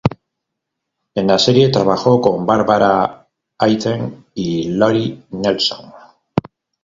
En la serie trabajó con Barbara Eden y Lori Nelson.